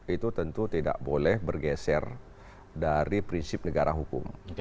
itu tentu tidak boleh bergeser dari prinsip negara hukum